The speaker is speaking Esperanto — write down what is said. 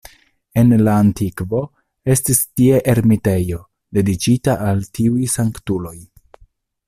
En la antikvo estis tie ermitejo dediĉita al tiuj sanktuloj.